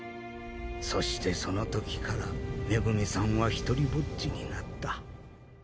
そしてそのときから恵さんは独りぼっちになった。